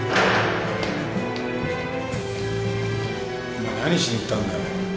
お前何しに行ったんだよ？